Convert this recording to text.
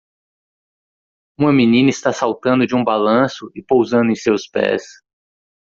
Uma menina está saltando de um balanço e pousando em seus pés